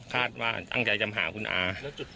คาดว่าตั้งใจจะมาหาคุณอา